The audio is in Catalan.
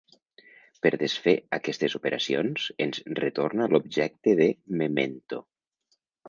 Per desfer aquestes operacions, ens retorna l'objecte de memento.